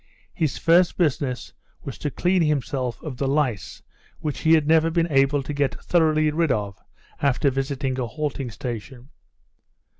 His first business was to clean himself of the lice which he had never been able to get thoroughly rid of after visiting a halting station.